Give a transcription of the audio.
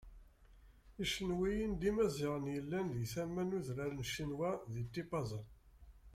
Icenwiyen d Imaziɣen yellan deg tama n udran n Cenwa di Tipaza.